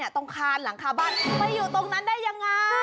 ตรงคานหลังคาบ้านไปอยู่ตรงนั้นได้ยังไง